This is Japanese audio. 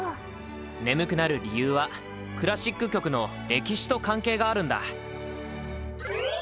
眠くなる理由はクラシック曲の歴史と関係があるんだ。